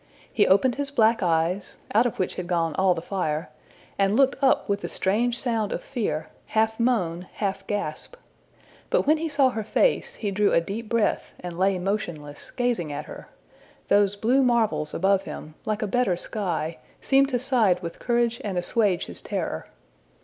He opened his black eyes, out of which had gone all the fire, and looked up with a strange sound of fear, half moan, half gasp. But when he saw her face, he drew a deep breath and lay motionless gazing at her: those blue marvels above him, like a better sky, seemed to side with courage and assuage his terror.